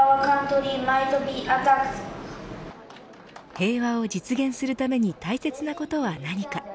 平和を実現するために大切なことは何か。